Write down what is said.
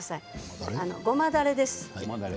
ごまだれです。